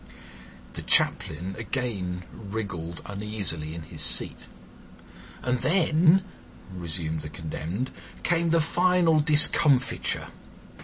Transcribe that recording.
The Chaplain again wriggled uneasily in his seat. "And then," resumed the condemned, "came the final discomfiture.